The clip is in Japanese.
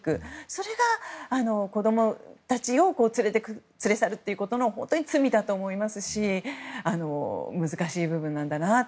それが子供たちを連れ去るということの罪だと思いますし難しい部分なんだなと。